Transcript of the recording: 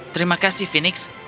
terima kasih phoenix